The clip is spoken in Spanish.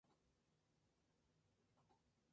¡ Ha llegado! ¡ por fin ha llegado!